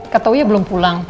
katau ya belum pulang